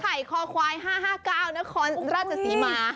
ไข่คอควาย๕๕๙นครราชศรีมา